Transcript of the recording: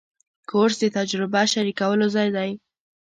کورس د تجربه شریکولو ځای دی.